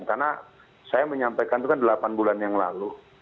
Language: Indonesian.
karena saya menyampaikan itu kan delapan bulan yang lalu